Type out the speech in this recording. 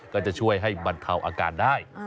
ก็จะช่วยให้บรรเทาอาการได้